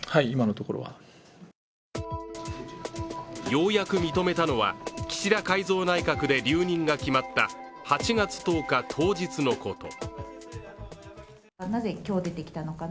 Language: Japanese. ようやく認めたのは、岸田改造内閣で留任が決まった８月１０日当日のこと。